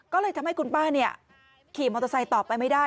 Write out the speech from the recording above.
ก็เลยทำให้คุณป้าขี่มอเตอร์ไซค์ต่อไปไม่ได้